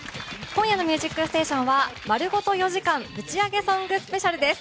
今夜の「ミュージックステーション」はまるごと４時間ぶちアゲソングＳＰです。